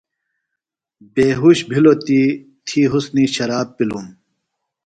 بیہوۡش بِھلوۡ تی تھی حُسُنیۡ شراب پِلوۡم۔